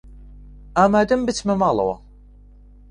ئامادەم بچمە ماڵەوە.